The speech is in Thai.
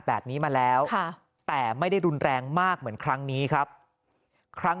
แบบนี้มาแล้วแต่ไม่ได้รุนแรงมากเหมือนครั้งนี้ครับครั้ง